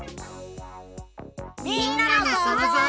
みんなのそうぞう。